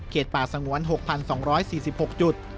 ป่าสงวน๖๒๔๖จุด